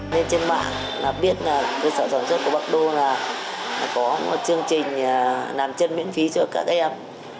nên trên mạng là biết là cơ sở sản xuất của bác đô là có một chương trình làm chân miễn phí cho các em